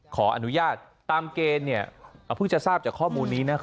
ขออนุญาตตามเกณฑ์เพิ่งจะทราบจากข้อมูลนี้นะ